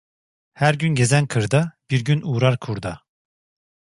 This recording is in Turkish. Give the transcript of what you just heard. Her gün gezen kırda, bir gün uğrar kurda.